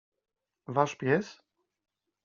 Wasz pies?